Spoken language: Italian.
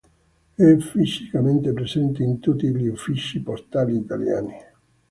È fisicamente presente in tutti gli uffici postali italiani.